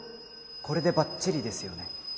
これでバッチリですよね？